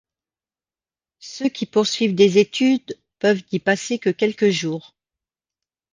Ceux qui poursuivent des études peuvent n’y passer que quelques jours.